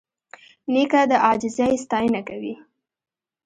نیکه د عاجزۍ ستاینه کوي.